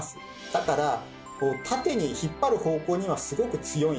だから縦に引っ張る方向にはすごく強いんです。